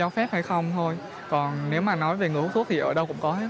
hay không thôi còn nếu mà nói về người hút thuốc thì ở đâu cũng có hết